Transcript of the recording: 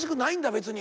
別に。